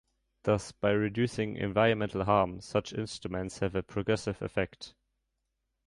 Thus by reducing environmental harm, such instruments have a progressive effect.